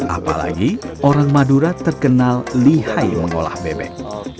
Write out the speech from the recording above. apalagi orang madura terkenal lihai mengolah bebek